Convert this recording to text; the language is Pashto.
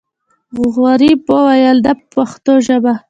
غریب وویل نه په پښتو ژبه.